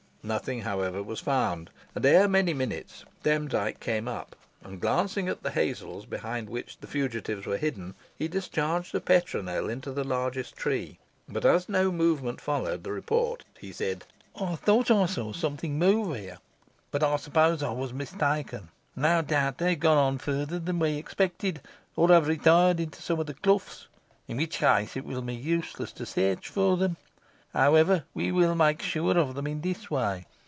Nothing, however, was found, and ere many minutes Demdike came up, and glancing at the hazels, behind which the fugitives were hidden, he discharged a petronel into the largest tree, but as no movement followed the report, he said "I thought I saw something move here, but I suppose I was mistaken. No doubt they have got on further than we expected, or have retired into some of the cloughs, in which case it will be useless to search for them. However, we will make sure of them in this way.